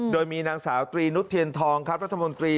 โดยมีนางสาวตรีนุษเทียนทองครับรัฐมนตรี